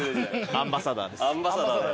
アンバサダーです。